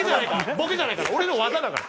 ボケじゃないから俺の技だから。